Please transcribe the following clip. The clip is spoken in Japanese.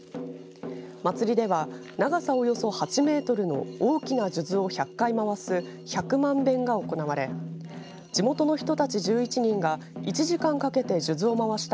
まつりでは長さおよそ８メートルの大きな数珠を１００回、回す百万遍が行われ地元の人たち１１人が１時間かけて数珠をまわした